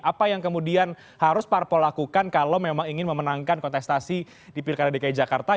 apa yang kemudian harus parpol lakukan kalau memang ingin memenangkan kontestasi di pilkada dki jakarta